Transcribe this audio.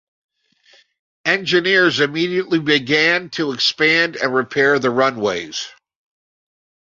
Engineers immediately began to expand and repair the runways.